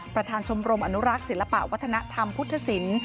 ประธานชมรมอนุรักษ์ศิลปะวัฒนธรรมพุทธศิลป์